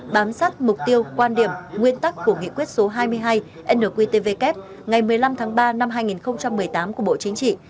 bám sát mục tiêu quan điểm nguyên tắc của nghị quyết số hai mươi hai nqtvk ngày một mươi năm tháng ba năm hai nghìn một mươi tám của bộ chính trị